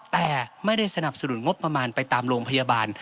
แต่ไม่ได้สนับสนุนงบประมาณไปตามโรงพยาบาล